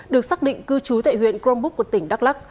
được xác định cư trú tại huyện crongbuk của tỉnh đắk lắc